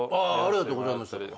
ありがとうございます。